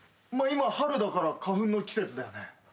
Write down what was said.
今春だから花粉の季節だよね。